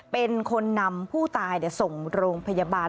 เป็นคนนำผู้ตายส่งโรงพยาบาล